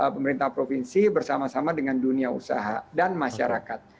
pemerintah provinsi bersama sama dengan dunia usaha dan masyarakat